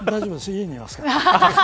家にいますから。